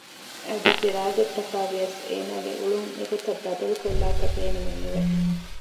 އަދި ސިރާޖަށްޓަކައި ވިޔަސް އޭނާގެ އުޅުން އެގޮތަށް ބަދަލު ކޮށްލާކަށް ބޭނުމެއް ނުވެ